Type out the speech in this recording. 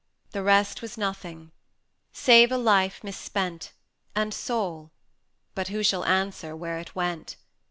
350 The rest was nothing save a life mis spent, And soul but who shall answer where it went?